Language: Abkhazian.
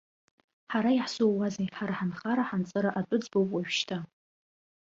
Ҳара иаҳзууазеи, ҳара ҳанхара-ҳанҵыра атәы ӡбоуп уажәшьҭа.